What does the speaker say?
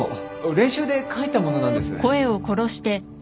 練習で書いたものなんです。